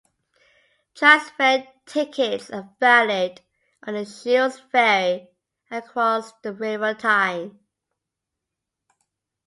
Transfare tickets are valid on the Shields Ferry across the River Tyne.